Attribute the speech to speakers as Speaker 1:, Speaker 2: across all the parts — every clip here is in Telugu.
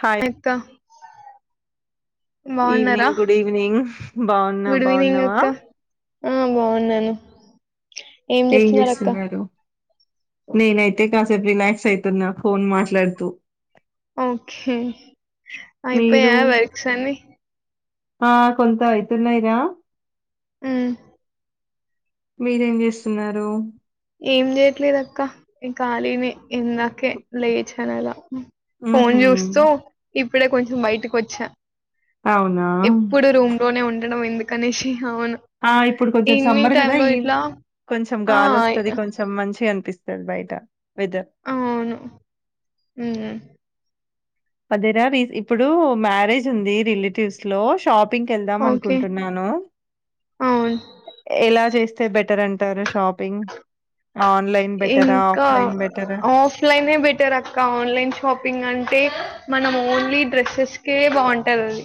Speaker 1: హాయ్
Speaker 2: పెద్ద
Speaker 1: ఈవినింగ్ గుడ్ ఈవినింగ్ బాగున్నా
Speaker 2: గుడ్ ఈవినింగ్
Speaker 1: బాగున్నావా
Speaker 2: అక్క ఆ బాగున్నాను
Speaker 1: ఏం చేస్తున్నారు నేనయితే కాసేపు రిలాక్స్ అయితున్నా ఫోన్ మాట్లాడుతూ
Speaker 2: ఓకే
Speaker 1: మీరు
Speaker 2: అయిపోయాయ వర్క్స్ అన్ని
Speaker 1: ఆ కొంత అయితున్నాయిరా
Speaker 2: ఉమ్
Speaker 1: మీరేం చేస్తున్నారు
Speaker 2: ఏం చేయట్లేదు అక్క ఈ ఖాళీనే ఇందాకే లేచాను అలా ఫోన్
Speaker 1: ఉహు
Speaker 2: చూస్తూ ఇప్పుడే కొంచెం బయటకి వచ్చా
Speaker 1: అవునా
Speaker 2: ఎప్పుడు రూమ్ లోనే ఉండడం ఎందు కనేషి
Speaker 1: ఆ ఇప్పుడు కొంచెం సమ్మర్ కదా
Speaker 2: లో
Speaker 1: ఈ
Speaker 2: ఇట్లా
Speaker 1: కొంచెం
Speaker 2: ఆ
Speaker 1: గాలి ఒత్తది కొంచెం మంచిగ అనిపి స్తది బయట వెదర్
Speaker 2: అవును హు
Speaker 1: అదేరా రీ ఇప్పుడు మ్యారేజ్ ఉంది రిలేటివ్స్ లో షాప్ ింగ్ వెళ్దాం
Speaker 2: ఓకే
Speaker 1: అనుకుంటున్నాను
Speaker 2: అవును
Speaker 1: ఎలా చేస్ తే బెటర్ అంటారు షాపింగ్ ఆన్‌లైన్ బెటరా?
Speaker 2: ఇంకా
Speaker 1: ఆఫ్‌లైన్ బెటరా?
Speaker 2: ఆఫ్లైనే బెటర్ అక్క ఆన్లైన్ షాపింగ్ అంటే మనం ఓన్లీ డ్రెస్సెస్ కే బాగుంటది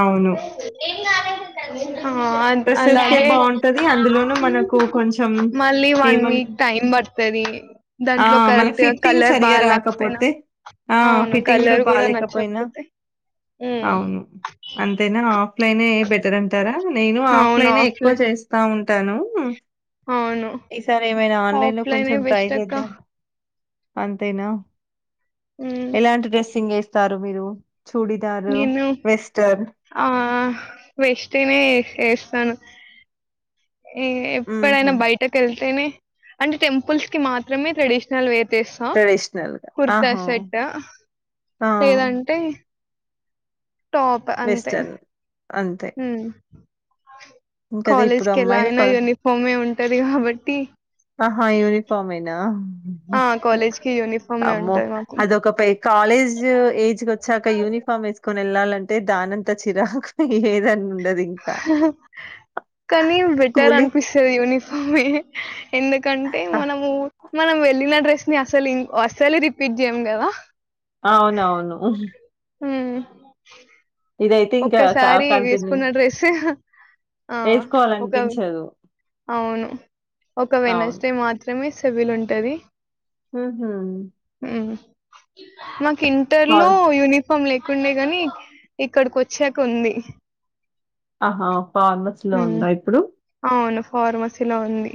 Speaker 1: అవును.
Speaker 2: అది అ
Speaker 1: డ్రెస్సెస్‌కే
Speaker 2: అలాగే
Speaker 1: బావుంటది. అందులోనూ మనకు కొంచెం
Speaker 2: మళ్ళీ వన్
Speaker 1: ఏమంట
Speaker 2: వీక్ టైమ్ పడుతది
Speaker 1: ఆ!
Speaker 2: దాంట్లో
Speaker 1: మనకు
Speaker 2: కరెక్ట్
Speaker 1: ఫిట్టింగ్
Speaker 2: కలర్
Speaker 1: సరిగ్గా
Speaker 2: బాగా లేకపోయినా
Speaker 1: రాకపోతే ఆ!
Speaker 2: అవును
Speaker 1: ఫిట్టింగ్ గూడా
Speaker 2: కలర్ కూడా
Speaker 1: బాలేకపోయినా
Speaker 2: నచ్చకపోతే హు
Speaker 1: లైనే బెటర్ అంటారా నేను ఆఫ్లైన్ ఎక్కువ చేస్తా ఉన్ ంటను
Speaker 2: అవును
Speaker 1: ఈసారి ఏమైనా ఆన్లైన్ లో
Speaker 2: ఆఫ్లైనే
Speaker 1: కొంచెం ట్రై
Speaker 2: బెస్ట్ అక్క
Speaker 1: చేద్దాం అంతేనా
Speaker 2: ఉమ్,
Speaker 1: ఎలాంటి డ్రెస్సింగ్ ఏ స్తారు మీరు చూడిదారు,
Speaker 2: నిను
Speaker 1: వెస్టర్న్.
Speaker 2: ఆ వెస్ట్నే ఏ ఏస్తను ఏ
Speaker 1: హుహు.
Speaker 2: ఎప్పుడైనా బయటకేళ్తేనే అంటే టెంపుల్స్ కి మాత్రమే ట్రెడిషనల్ వేర్ ఎస్తా
Speaker 1: ట్రెడిషనల్‌గా.
Speaker 2: కుర్తా
Speaker 1: ఆహా!
Speaker 2: సెట్
Speaker 1: ఆ!
Speaker 2: లేదంటే టాప్ అంతే
Speaker 1: వెస్టర్న్. అంతే
Speaker 2: హు
Speaker 1: ఇంకదే ఇప్పుడు అమ్మాయిల ప
Speaker 2: యూనిఫామే ఉంటది కాబట్టి
Speaker 1: ఆహా యూనిఫామ్ ఏనా
Speaker 2: ఆ కాలేజ్ కి యూనిఫామే
Speaker 1: అమ్మో
Speaker 2: ఉంటది మాకు
Speaker 1: అదొక పె కాలేజ్ ఏజ్కొచ్చాక యూనిఫామ్ వేసుకొని వెళ్ళాలం టే దానంత చిరాకు ఏదన్న ఉండది
Speaker 2: కానీ బెట్టర్
Speaker 1: స్కూలే
Speaker 2: అనిపిస్తది యూనిఫామ్ ఏ కంటే
Speaker 1: ఆ!
Speaker 2: మనము మనం వెళ్ళిన డ్రెస్ ని అసలుం అసలే రిపీట్ చేయం కదా
Speaker 1: అవునవును
Speaker 2: ఉమ్
Speaker 1: ఇదైతే ఇంకా క
Speaker 2: ఒక్కసారి
Speaker 1: కంటిన్యూ
Speaker 2: వేసుకున్న డ్రెస్ ఆ ఒక
Speaker 1: వేసుకోవాలనిపించదు
Speaker 2: అవును
Speaker 1: అవును
Speaker 2: ఒకవేణష్టే మాత్ర మే సివిల్ ఉంటది
Speaker 1: ఉహు
Speaker 2: మక్ ఇంటర్ లో
Speaker 1: ఫార్
Speaker 2: యూని ఫామ్ లేకుండే గాని ఇక్కడికి వచ్చాక ఉంది
Speaker 1: ఆహా ఫార్మస్ లో
Speaker 2: హ్మ్.
Speaker 1: ఉందా ఇప్పుడు
Speaker 2: అవును. ఫార్మసీలో ఉంది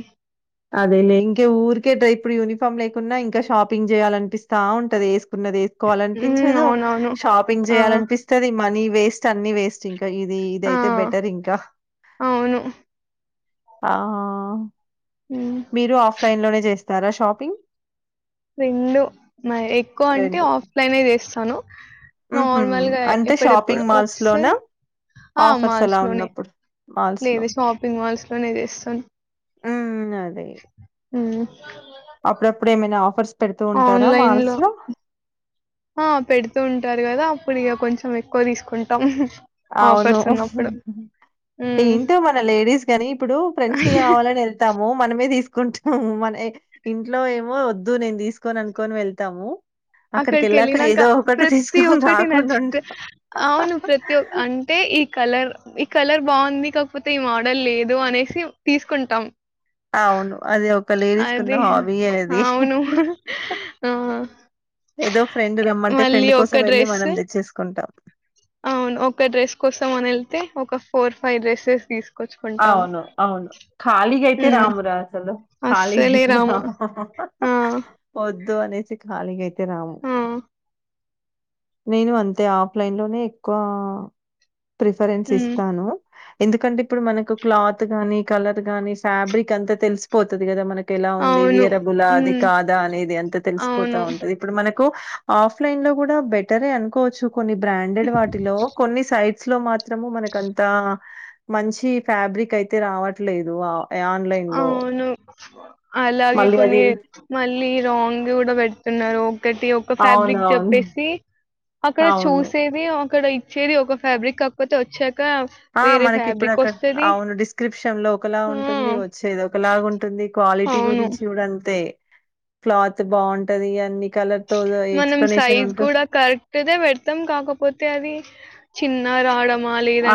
Speaker 1: అదేలే ఇంక ఊరికే ఇప్పుడు యూనిఫామ్ లేకున్నా ఇంకా షాపింగ్ చేయాలనిపిస్తా ఉంటది ఏసున్నది
Speaker 2: హ్మ్.
Speaker 1: వేసుకోవాలినిపించదు
Speaker 2: అవునవును.
Speaker 1: షాపింగ్
Speaker 2: ఆ!
Speaker 1: చేయాలనిపిస్తది మనీ వేస్ట్ అన్నిీ వేస్ట్ ఇం కా ఇది
Speaker 2: ఆ!
Speaker 1: ఇదయితే బెటర్ ఇంకా
Speaker 2: అవును.
Speaker 1: ఆ
Speaker 2: హ్మ్.
Speaker 1: మీరు ఆఫ్లైన్ లోనే చేస్తారా షాపింగ్
Speaker 2: రెండు మ ఎక్కువ అంటే ఆఫ్లైన్ చేస్తాను.
Speaker 1: హుహు.
Speaker 2: నార్మల్గా
Speaker 1: అంటే
Speaker 2: ఎప్పుడెప్పుడు
Speaker 1: షాపింగ్ మాల్స్‌లోనా?
Speaker 2: ఒకసారి ఆ
Speaker 1: ఆఫర్స్ అలా
Speaker 2: మాల్స్ లోనే
Speaker 1: ఉన్నప్పుడు మాల్స్‌లో.
Speaker 2: లేదు షాపింగ్ మాల్స్ లోనే చేస్తాను.
Speaker 1: హ్మ్. అదే అప్పుడప్పుడు ఏమైనా ఆఫర్స్ పెడుతూ ఉంటారా మాల్స్
Speaker 2: ఆన్‌లైన్‌లో
Speaker 1: లో
Speaker 2: ంటారు కదా అప్పుడు ఇక కొంచెం ఎక్కువ తీసుకుంటాం
Speaker 1: అవును
Speaker 2: ఆఫర్స్ ఉన్నప్పుడు హ్మ్
Speaker 1: ఏంటో మన లేడీస్ కానీ ఇప్పుడు ఫ్రెండ్స్ కి కావాలని వెళ్తాము మో మనమే తీసుకుంటాము మన ఇంట్లో ఏమో వద్దు నేను తీసుకొను అనుకోని వెళ్తాము
Speaker 2: అక్కడికి
Speaker 1: అక్కడికెళ్ళాక
Speaker 2: వెళ్ళినాక
Speaker 1: ఏదో ఒకటి
Speaker 2: ప్రతి
Speaker 1: తీసుకొని
Speaker 2: ఒక్కటి
Speaker 1: రాకుండా
Speaker 2: నచ్చితే
Speaker 1: ఉంటాం.
Speaker 2: అవును ప్రతి అంటే ఈ కలర్ ఈ కలర్ బాగుంది కాకపోతే ఈ మోడల్ లేదు అనేసి తీసుకుంటాం
Speaker 1: అవును అదే ఓ ఒక లేడీస్ ఉన్న
Speaker 2: అది
Speaker 1: హాబీ అది
Speaker 2: అవును ఆ
Speaker 1: ఏదో ఫ్రెండ్ రమ్మంటే
Speaker 2: మళ్ళీ
Speaker 1: ఫ్రెండ్
Speaker 2: ఒక
Speaker 1: కోసం వెళ్ళి
Speaker 2: డ్రెస్
Speaker 1: మనం తెచ్చేసుకుంటాం
Speaker 2: అవును ఒక డ్రెస్ కోసం అని వెళ్తే ఒక ఫోర్ ఫైవ్ డ్రెసెస్ తీసుకు
Speaker 1: అవును అవును ఖాళీగ అయితే
Speaker 2: హ్మ్
Speaker 1: రామరా చలు
Speaker 2: అస్సలే
Speaker 1: ఖాళీగాఅయితే రా
Speaker 2: రాము ఆ
Speaker 1: వొద్దు అని కలిగ అయితే రాము
Speaker 2: ఆ
Speaker 1: నేను అంతే ఆఫ్లైన్ లోనే ఎక్కువ ప్రిఫరెన్స్
Speaker 2: హ్మ్
Speaker 1: ఇస్తాను ఎందుకంటే ఇప్పుడు మనకు క్లాత్ గానీ కలర్ గాని ఫ్యాబ్రిక్ అంత తెలిసిపోతది కద మనకి ఎలా ఉంది
Speaker 2: అవును.
Speaker 1: వేరబులా అది
Speaker 2: హ్మ్.
Speaker 1: కాదా అనేది అంత తెలిసిపోతా
Speaker 2: అవును.
Speaker 1: ఉంటది ఇప్పుడు మనకి ఆఫ్లైన్ లో కూడ బె టరే అనుకోవచ్చు కొన్ని బ్రాండెడ్ వాటిలో కొన్ని సైట్ లో మాత్రము మనకంత మంచి ఫ్యాబ్రిక్ అయితే రావట్లేదు ఆన్‌లైన్‌లో
Speaker 2: అవును అలాగే
Speaker 1: మళ్ళీ అది
Speaker 2: కొన్ని మళ్ళీ రాంగ్ కూడా పెడుతున్నారు ఒకటి ఒక ఫ్యాబ్రిక్
Speaker 1: అవునవును.
Speaker 2: చెప్పేసి అక్కడ
Speaker 1: అవును.
Speaker 2: చూసేది అక్కడ ఇచ్చేది ఒక ఫ్యాబ్రిక్ కాకపోతే వచ్చాక
Speaker 1: ఆ
Speaker 2: వేరే
Speaker 1: మనకి ఇప్పుడు
Speaker 2: ఫ్యాబ్రిక్
Speaker 1: అక్కడ
Speaker 2: ఒస్తది.
Speaker 1: అవును డిస్క్రిప్షన్ లో ఒకలా
Speaker 2: ఆ!
Speaker 1: ఉంటుంది వచ్చి దో ఒకలాగా ఉంటుంది క్వాలిటీ
Speaker 2: అవును.
Speaker 1: గురించి కూడ అంతే క్లాత్ బావుంటది అన్ని కలర్‌తో
Speaker 2: మనం
Speaker 1: ఎక్స్‌ప్లనేషన్
Speaker 2: సైజ్
Speaker 1: ఉంటు
Speaker 2: కూడ కరెక్ట్దే పెడతం కాకపోతే అది చిన్న రాడం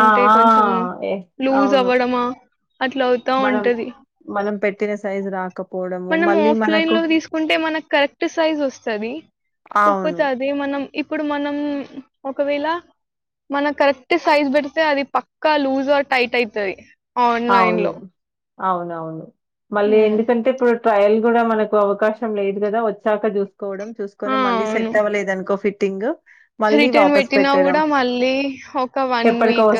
Speaker 1: ఆ! ఆ!
Speaker 2: కొంచం
Speaker 1: ఏ
Speaker 2: లూజ్
Speaker 1: అవును.
Speaker 2: అవ్వడమ అట్ల అవుతా ఉంటది
Speaker 1: టిన సైజ రా
Speaker 2: మనం ఆఫ్లైన్ లో తీసుకుంటే మనకు కరెక్ట్ సైజ్ వస్తది
Speaker 1: అవును.
Speaker 2: కాకపోతే అది మనం ఇప్పుడు మనం ఒకవేళ మన కరెక్ట్ సైజ్ పెడితే అది పక్కా లూజ్ ఆర్ టైట్ అయితది ఆన్లైన్
Speaker 1: అవును.
Speaker 2: లో
Speaker 1: అవునవును మళ్ళీ
Speaker 2: హ్మ్.
Speaker 1: ఎందుకంటే ఇప్పుడు ట్రయల్ కూడా మనకు అవకాశం లేదు కదా వచ్చాక చూస్తు కోవడం
Speaker 2: ఆ
Speaker 1: చూకొని మళ్ళీ
Speaker 2: అవును
Speaker 1: సెట్ అవ్వలేదు అనుకో ఫిట్ థింగ్
Speaker 2: రిటర్న్ పెట్టినా కూడా మళ్ళీ ఒక వన్
Speaker 1: ఎప్పటికో
Speaker 2: వీక్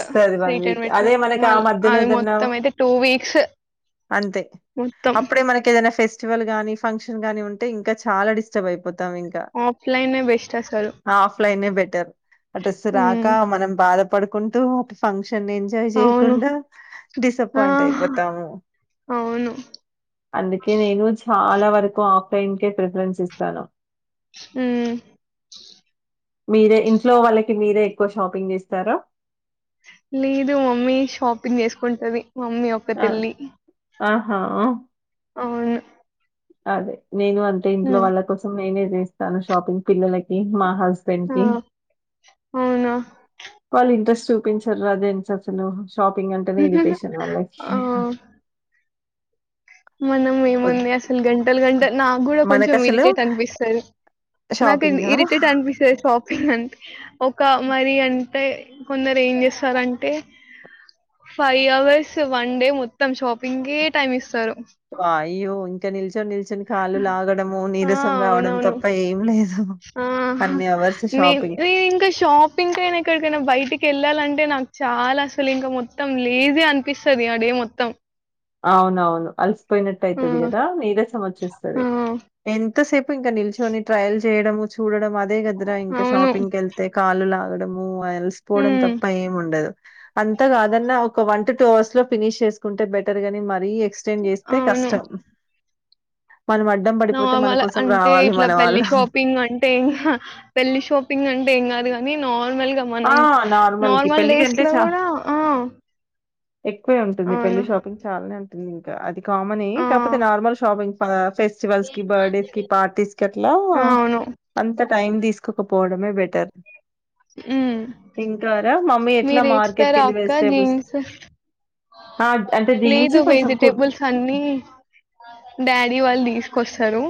Speaker 2: రిటర్న్ పెట్టిన మళ్
Speaker 1: తున్నావ అంతే
Speaker 2: మొత్తం
Speaker 1: అప్పుడే మనకి ఏదైనా ఫెస్ట్ ఫెస్టివల్ గానీ ఫంక్షన్గానీ ఉంటే ఇంక చాలా డిస్టర్బ్ అయిపోతుం ఇంకా
Speaker 2: ఆఫ్లైనే బెస్ట్ అసలు
Speaker 1: ఆఫ్లైన్ ఎహ్ బెటర్ ఆది అసలరక
Speaker 2: హ్మ్.
Speaker 1: మనం బాధ పడుకుంటూ ఫంక్షన్ ఎంజాయ్
Speaker 2: అవును
Speaker 1: చేయకుండ
Speaker 2: ఆ
Speaker 1: డిసప్పాయింట్ అయిపోతాము
Speaker 2: అవును
Speaker 1: అందుకే నేను చాలా వరకు పెయిన్కె ప్రిఫరెన్స్ ఇస్తాను
Speaker 2: హమ్
Speaker 1: మీరే ఇంట్లో వాళ్ళకి మీరే ఎక్కువ షాపింగ్ చేస్తారా
Speaker 2: లేదు మమ్మీ షాపింగ్ చేసుకుంటది మమ్మీ ఒకటి
Speaker 1: ఆ!
Speaker 2: వెళ్ళి
Speaker 1: ఆహా
Speaker 2: అవును
Speaker 1: అదే నేను అంతే ఇంట్లో
Speaker 2: హ్మ్.
Speaker 1: వాళ్ళ కోసం నేనే చేస్తాను షాపింగ్ పిల్లలకి మా హస్బండ్
Speaker 2: ఆ
Speaker 1: బ్యాండ్కి
Speaker 2: అవునా
Speaker 1: వాళ్ళ ఇంట్రెస్ట్ చూపించారు అదేం చెప్పాను షాపింగ్ అంటేనే
Speaker 2: ఆ
Speaker 1: ఇరిటేషన్ వాళ్ళకి
Speaker 2: మనం
Speaker 1: వద్
Speaker 2: మేముండి అసలు గంటలు గంటలు నాకు కూడా కొంచెం
Speaker 1: మనకసలు
Speaker 2: ఇరిటేట్ అనిపిస్తది నాకు
Speaker 1: షాపింగా
Speaker 2: ఇరిటేట్ అనిపిస్తది షాపింగ్ అంటే ఒక మరి అ అంటే కొందరు ఏం చేస్తారంటే ఫైవ్ అవర్స్ వన్ డే మొత్తం షాపింగ్ కే టైం ఇస్తారు
Speaker 1: వాయ్యో! ఇంకా నిల్చొని, నిల్చొని కాళ్ళు లాగడము, నీరసం
Speaker 2: ఆహ్
Speaker 1: రావడం
Speaker 2: అవునవును
Speaker 1: తప్ప ఏం లేదు.
Speaker 2: ఆహ్
Speaker 1: అన్ని అవర్స్
Speaker 2: నే
Speaker 1: షాపింగ్.
Speaker 2: నేను ఇంకా షాపింగ్ ఎక్కడికైనా బయటికి వెళ్ళాలంటే నాకు చాలా అసలు ఇంకా మొత్తం లేజీ అనిపిస్తది ఆహ్ డే మొత్తం
Speaker 1: అవునవును అల్ పోయినట్
Speaker 2: ఆ
Speaker 1: అయితది కదా నీరస
Speaker 2: ఆ
Speaker 1: వచ్చస్తది టెన్ ఎంతసేపు ఇంకా నిల్చొని ట్రయల్ చేయడము చూడడం అదే గదరా
Speaker 2: అవును
Speaker 1: ఇంకాషపింగ్కి వెళ్తే కాలు లాగా డము ఆలిసిపోవడం
Speaker 2: ఉమ్
Speaker 1: తప్ప ఏం ఉండదు అంత కాదన్నా ఒక వన్ టు టూ అవర్స్ లో ఫినిష్ చేసుకుంటే బెట టేర్ గని మరి ఎక్కు ఎక్స్టెండ్ చేస్తే
Speaker 2: అవును
Speaker 1: కష్టం మనం అడ్డం పడిపోతే మన
Speaker 2: నార్మల్
Speaker 1: కోసం
Speaker 2: అంటే
Speaker 1: రావాలి
Speaker 2: ఇట్లా
Speaker 1: మన
Speaker 2: పెళ్లి
Speaker 1: వాళ్ళు.
Speaker 2: షాపింగ్ అంటే ఇంకా పెళ్లి షాపింగ్ అంటే ఏం కాదు నీ నో నార్మల్ గా
Speaker 1: ఆ!
Speaker 2: మనం
Speaker 1: నార్మల్‌కి
Speaker 2: నార్మల్ డేస్
Speaker 1: పెళ్ళికంటే
Speaker 2: లో
Speaker 1: చా
Speaker 2: కూడా ఆ
Speaker 1: ఎక్కువే ఉంటుంది పెళ్లి
Speaker 2: అవును.
Speaker 1: షాపింగ్ చాలనే ఉంటుంది ఇంకా అది కామనే
Speaker 2: ఆ!
Speaker 1: కాకపోతే నార్మల్ షాపింగ్ ఫెస్టివల్స్ కి బర్త్డేస్ కి పార్టీస్ కి అట్లా
Speaker 2: ఆ, అవును.
Speaker 1: అంత టైం తీసుకోకపో పోడమే బెటర్ ఇం
Speaker 2: మీరుయిస్తారా అక్క
Speaker 1: వెజిటేబుల్స్
Speaker 2: జీన్స్
Speaker 1: ఆ అంటే జీన్స్
Speaker 2: లేదు
Speaker 1: కొంచెం కుర్
Speaker 2: వెజిటేబుల్స్ అన్నీ డాడీ వాళ్ళు తీసుకు కొస్తారు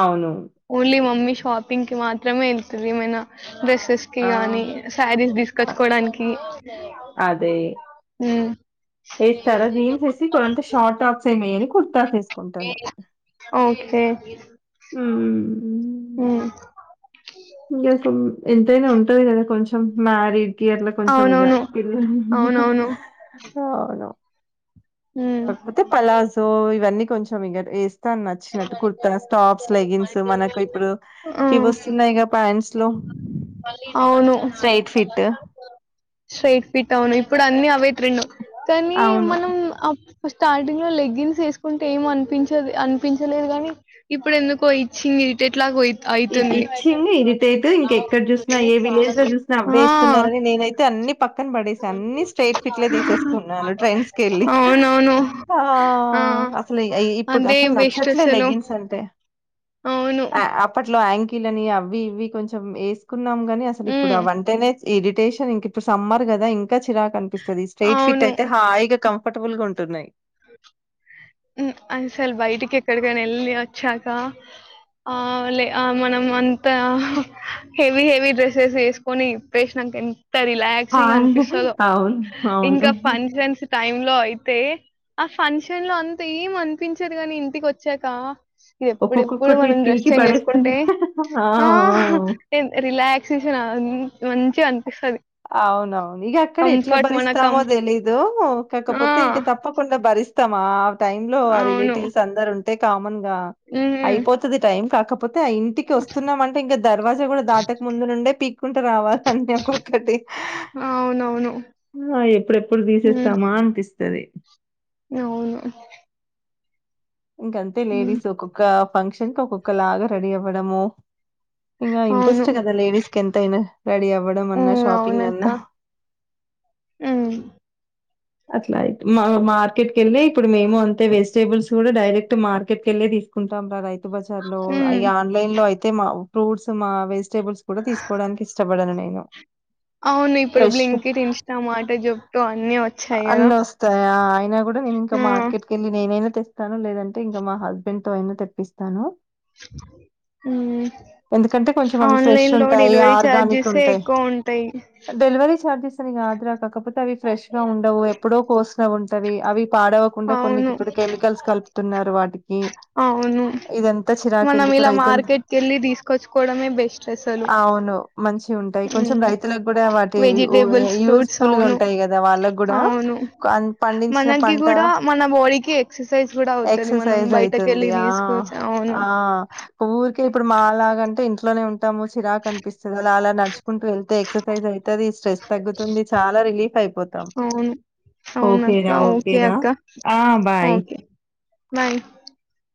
Speaker 1: అవును
Speaker 2: ఓన్లీ మమ్మీ షాపింగ్ కి మాత్రమే ఎల్తది మైనా డ్రెస్సెస్
Speaker 1: ఆ
Speaker 2: కిగాని శారీస్ తీసుకొచ్చి మనకి
Speaker 1: అదే వేస్తారా జీన్స్ వేసి కొంత షార్ట్ టాప్స్ వేయురి కుర్తాస్ కుంటాను
Speaker 2: ఓకే.
Speaker 1: హ్మ్
Speaker 2: హ్మ్.
Speaker 1: ఇంక ఎంతైనా ఉంటది కదా కొంచెం మ్యారీడ్ ఇయ్యాలే కొంచం ఇగ
Speaker 2: అవునవును. అవునవును.
Speaker 1: అవును
Speaker 2: ఉమ్
Speaker 1: కాకపోతే పలాజో ఇవన్నీ కొంచెం ఇగ రా నచ్చినట్టు కుర్తా టాప్స్ లెగిన్స్ మనకు ఇప్పుడు
Speaker 2: ఆ
Speaker 1: ఇవి వస్తున్నాయి
Speaker 2: అవును
Speaker 1: స్ట్రైట్ ఫిట్
Speaker 2: స్ట్రైట్ ఫిట్ అవును ఇప్పుడు అన్ని అవే ట్రెండ్ కానీ
Speaker 1: అవును
Speaker 2: మనం స్టార్టింగ్ లో లెగ్గింగ్స్ ఏసుకుంటే ఏం అనిపించది అని ప్పించలేదు గాని ఇప్పుడు ఎందుకు ఇచ్చింగ్ ఇరిటేట్లాగా పోయి
Speaker 1: ఇచ్చింగ్ ఇరిటేట్ ఇంకెక్కడ చూసినా ఏ విలేజ్ లో చూసినా అవే
Speaker 2: ఆ
Speaker 1: ఇస్తున్నారని నేనైతే అన్ని పక్కన పడేసాను అన్ని స్ట్రైట్ ఫిట్లే తీసేసుకున్నాను ట్రెండ్స్ కెళ్ళి
Speaker 2: అవునవును
Speaker 1: ఆ
Speaker 2: ఆ
Speaker 1: అసలు ఇప్పుడు
Speaker 2: అదే
Speaker 1: అసలు
Speaker 2: బెస్ట్
Speaker 1: నచ్చట్లేదు
Speaker 2: అసలు
Speaker 1: లెగ్గిన్స్ అంటే
Speaker 2: అవును
Speaker 1: ఆహ్ యాంకిల్ అని అవి ఇవి కొంచెం వేస్త కున్నాం గాని అసలు ఇప్పుడు
Speaker 2: ఉమ్
Speaker 1: అవంటేనే ఇరిటేషన్ ఇంక ఇప్పుడు సమ్మర్ కదా ఇంకా ఇంకా చిరాకు అనిపిస్తది స్ట్రైట్ ఫిట్
Speaker 2: అవును
Speaker 1: అయితే హాయిగా కంఫర్ట్ కంఫర్టబుల్గ్ ఉంటున్నాయి.
Speaker 2: అ హ్మ్ అసలు బయటికి ఎక్కడికైనా వెళ్ళి వచ్చాక ఆ లే మనం అంతా హెవీ హెవీ డ్రెస్సెస్ వేసుకొని విప్పేసిన్నాక రిలాక్సింగ్
Speaker 1: హాయ్
Speaker 2: అనిపిస్తదో
Speaker 1: అవును అవును
Speaker 2: ఇంకా ఫంక్షన్స్ టైమ్ లో అయితే ఆ ఫంక్షన్ లో అం అస్సల్ ఏం అనిపించదు గాని ఇంటికి వచ్చాక ఇది ఎప్పుడెప్పుడు
Speaker 1: ఒక్కొక్కొక్కటి
Speaker 2: మనం డ్రెస్
Speaker 1: పీకి
Speaker 2: చేంజ్ చేసుకుంటే
Speaker 1: పడేస్తుంది
Speaker 2: ఆ రిలాక్సేషన్ అం మంచిగా అ
Speaker 1: అవునవును ఇగ అక్కడ ఎట్లా
Speaker 2: కంఫర్ట్ మన కం
Speaker 1: భరిస్తామో తెలీదు.
Speaker 2: ఆ
Speaker 1: కాకపోతే ఇంకా తప్పకుండా భరిస్ ఉత్తమా టైమ్ లో ఆ
Speaker 2: అవును
Speaker 1: రిలేటివ్స్ అందరు ఉం కామన్
Speaker 2: ఉమ్
Speaker 1: అయిపోతది. టైం కాక ఆ ఇంటికి వస్తున్నామ అంటే ఇంకా దర్వాజా కూడా దాటక ముందు నుండే పీక్కుంటే రావాల [unintelligible] ఒకటి
Speaker 2: అవునవును
Speaker 1: ఆ ఎప్పుడెప్పుడు
Speaker 2: ఉమ్
Speaker 1: తీసేస్తామా అనిపిస్తది.
Speaker 2: అవును
Speaker 1: ఇంకంతే
Speaker 2: ఉమ్
Speaker 1: లేడీస్ ఒక్కొక్క ఫంక్షన్ ఇంకా ఒక్కొక్క లాగ రెడి అవ్వాడము. ఇగా
Speaker 2: అవును
Speaker 1: ఇంట్రెస్ట్ కదా లేడీస్ కెంతైనా రెడీ అవ్వడం అన్నా
Speaker 2: ఉమ్
Speaker 1: షాపింగ్
Speaker 2: అవునక్క
Speaker 1: అన్నా
Speaker 2: ఉమ్
Speaker 1: అట్లా ఇట్లా [unintelligible] మార్కెట్ వెళ్ళి ఇప్పుడు మేము అంతే వేసి టేబుల్స్ కూడా డైరెక్ట్ మార్కెట్ వెళ్ళి తీసుకుంటాం. రా [unintelligible] బజార్ లో అయ
Speaker 2: ఉమ్
Speaker 1: ఆన్లైన్ లో అయి అయితే మా ఫ్రూట్స్, మా వెజిటేబుల్స్ కూడా తీసుకోవడానికి ఇష్టపడాను నేను.
Speaker 2: అవును ఇప్పుడు
Speaker 1: ఫ్రెష్
Speaker 2: బ్లింకింట్, ఇన్స్టామాట్, జంప్టో అన్ని వచ్చాయి. కదా
Speaker 1: అన్ని వస్తాయా అయినా కూడా నేను ఇంకా మార్కెట్కి వెళ్ళి నేనైనా స్తాను లేదంటే ఇంకా మా హస్బెండ్ తో అయినా తెప్పిస్తాను.
Speaker 2: ఉమ్
Speaker 1: ఎందుకంటే కొంచెం అవి ఫ్రెష్
Speaker 2: ఆన్లైన్ లో
Speaker 1: ఉంటాయి.
Speaker 2: డెలివరీ
Speaker 1: ఆర్గానిక్
Speaker 2: ఛార్జెసే
Speaker 1: ఉంటాయి.
Speaker 2: ఎక్కువ ఉంటాయి
Speaker 1: డెలివరీ చార్జెస్ అది కాదురా కాకపోతే అవి ఫ్రెష్ గా ఉండవు. ఎప్పుడో కోస్తా ఉంటవి అవి పాడవకుండా కొన్నికి
Speaker 2: అవును
Speaker 1: ఇప్పుడు కెమికల్స్ ప్తున్నారు వాటికి
Speaker 2: అవును
Speaker 1: ఇదంతా చిరాకు
Speaker 2: మనం
Speaker 1: ఎందుకు
Speaker 2: ఇలా
Speaker 1: రైతులు
Speaker 2: మార్కెట్ కి వెళ్ళి తీసుకొచ్చుకోవడమే బెస్ట్ అసలు
Speaker 1: అవును మంచి ఉంటాయి కొంచెం
Speaker 2: ఉమ్
Speaker 1: రైతులకు కూడా వాటి
Speaker 2: వెజిటేబుల్స్ ఫ్రూట్స్
Speaker 1: యూస్ఫుల్ గా
Speaker 2: అవును
Speaker 1: ఉంటాయి కదా వాళ్ళకు కూడా
Speaker 2: అవును
Speaker 1: అన్ పండించిన
Speaker 2: మనకి
Speaker 1: పంట
Speaker 2: కూడా మన బాడీకి ఎక్స సైజ్ కూడా అవుతది మనం
Speaker 1: ఎక్సర్సైజ్
Speaker 2: బయట
Speaker 1: ఆ ఆ ఊర్క్ ఇప్పుడు మా లాగంటే ఇంట్ల లోనే ఉంటాము చిరాకు కనిపిస్తది అలా అలా నడుచుంటూ వెతే ఎక్సైజ్ అయి తది స్ట్రెస్ తగ్గుతుంది చాలా రిలీఫ్ అయిపోతాం
Speaker 2: అవును
Speaker 1: ఓకే
Speaker 2: అవునక్క
Speaker 1: రా ఓకే రా
Speaker 2: అక్క
Speaker 1: ఆ బాయ్
Speaker 2: ఓకే [unintelligible]